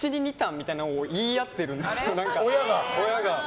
みたいなのを言い合ってるんです、親が。